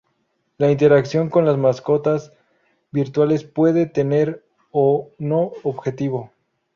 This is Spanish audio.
La interacción con las mascotas virtuales puede tener o no objetivo.